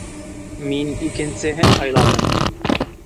Мин икенсеһен һайланым.